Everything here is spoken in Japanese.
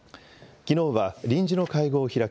きのうは臨時の会合を開き、